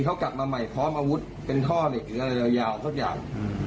เขากลับมาใหม่พร้อมอาวุธเป็นท่อเหล็กยาวทั่วอย่าง